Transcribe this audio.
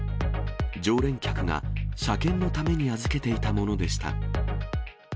常連客が車検のために預けていたものでした。